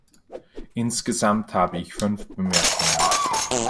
Insgesamt habe ich fünf Bemerkungen.